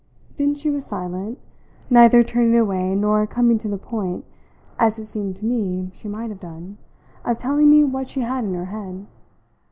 Then she was silent, neither turning away nor coming to the point, as it seemed to me she might have done, of telling me what she had in her head.